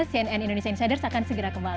cnn indonesia insiders akan segera kembali